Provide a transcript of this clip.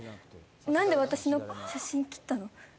なんで私の写真切ったの？